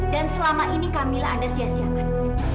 dan selama ini kamila anda sia siakan